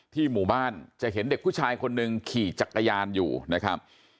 หมู่บ้านจะเห็นเด็กผู้ชายคนหนึ่งขี่จักรยานอยู่นะครับ